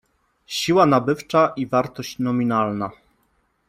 Siła nabywcza i wartość nominalna.